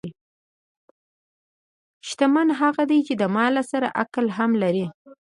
شتمن هغه دی چې له مال سره عقل هم لري.